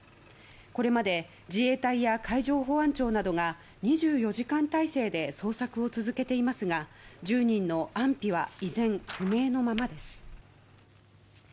これまで自衛隊や海上保安庁などが２４時間態勢で捜索を続けていますが１０人の安否は依然不明のままです。